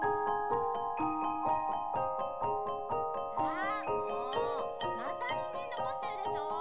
あもうまたニンジン残してるでしょう。